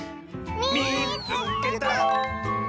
「みいつけた！」。